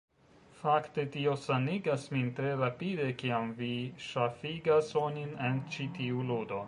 Fakte tio sanigas min tre rapide kiam vi ŝafigas onin en ĉi tiu ludo.